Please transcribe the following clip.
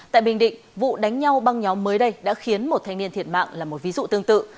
tại bình định vụ đánh nhau băng nhóm mới đây đã khiến một thanh niên thiệt mạng là một ví dụ tương tự